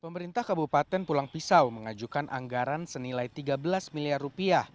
pemerintah kabupaten pulang pisau mengajukan anggaran senilai tiga belas miliar rupiah